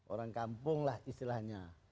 orang kampung lah istilahnya